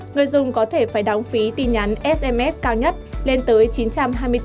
người dùng có thể phải đóng phí tin nhắn sms cao nhất